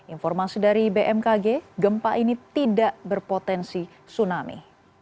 informasi dari bmkg gempa ini tidak berpotensi tsunami